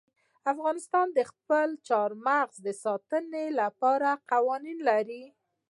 افغانستان د خپلو چار مغز د ساتنې لپاره قوانین لري.